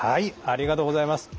ありがとうございます。